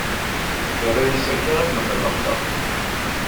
Yerra-as akka ilmend n leqder.